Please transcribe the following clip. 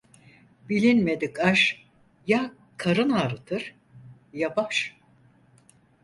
Bilinmedik aş, ya karın ağrıtır ya baş.